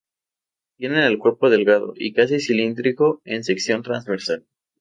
Tienen el cuerpo delgado y casi cilíndrico en sección transversal.